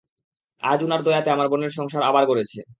আজ উনার দয়া তে আমার বোনের সংসার আবার গড়েছে।